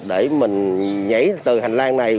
để mình nhảy từ hành lang này